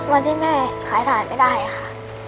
วันที่แม่ขายสารไม่ได้ค่ะ